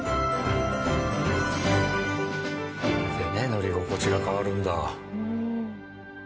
これでね乗り心地が変わるんだ。